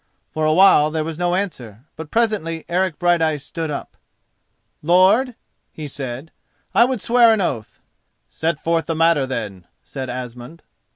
For a while there was no answer, but presently Eric Brighteyes stood up. "Lord," he said, "I would swear an oath." "Set forth the matter, then," said Asmund.